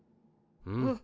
うん。